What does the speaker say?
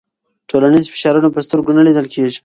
ټولنیز فشارونه په سترګو نه لیدل کېږي.